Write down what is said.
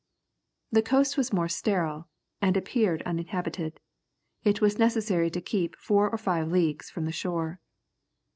The coast was more sterile, and appeared uninhabited. It was necessary to keep four or five leagues from the shore.